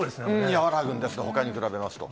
和らぐんですね、ほかと比べますと。